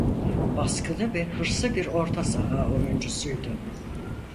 Baskılı ve hırslı bir orta saha oyuncusuydu.